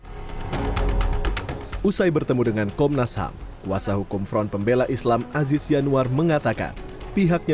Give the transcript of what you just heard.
hai usai bertemu dengan komnas ham kuasa hukum front pembela islam aziz yanuar mengatakan pihaknya